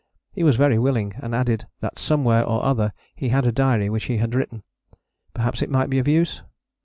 He was very willing, and added that somewhere or other he had a diary which he had written: perhaps it might be of use?